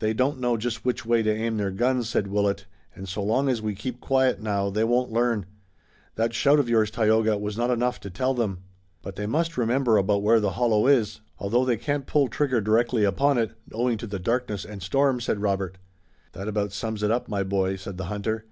"They don't know just which way to aim their guns," said Willet, "and so long as we keep quiet now they won't learn. That shout of yours, Tayoga, was not enough to tell them." "But they must remember about where the hollow is, although they can't pull trigger directly upon it, owing to the darkness and storm," said Robert. "That about sums it up, my boy," said the hunter.